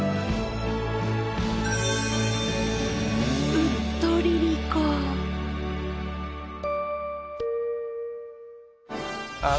ウットリリコあぁ。